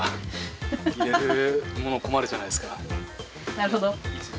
なるほど。